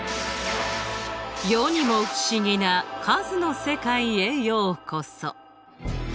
世にも不思議な数の世界へようこそ。